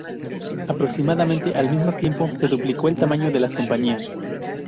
Aproximadamente al mismo tiempo se duplicó el tamaño de las compañías.